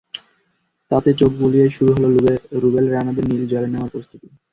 তাতে চোখ বুলিয়েই শুরু হলো রুবেল রানাদের নীল জলে নামার প্রস্তুতি।